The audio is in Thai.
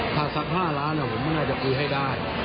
ถ้าสัก๕ล้านผมไม่น่าจะคุยให้ได้